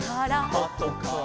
「あとから」